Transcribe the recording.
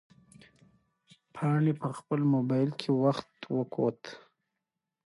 پاڼې په خپل موبایل کې وخت وکوت.